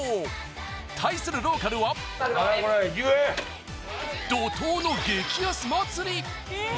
対するローカルは怒涛の激安祭り。